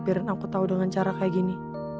biarin aku tahu dengan cara kayak gini